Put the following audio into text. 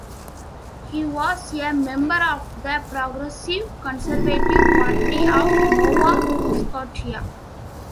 He was a member of the Progressive Conservative Party of Nova Scotia.